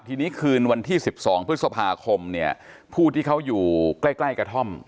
ทีนี้คืนวันที่๑๒พฤษภาคมเนี่ยผู้ที่เขาอยู่ใกล้กระท่อม